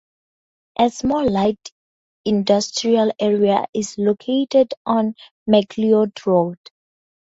A small light industrial area is located on McLeod Road.